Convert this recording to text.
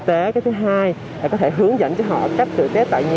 tế cái thứ hai là có thể hướng dẫn cho họ cách tự test tại nhà